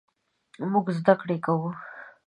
مونږ زده کړه کوو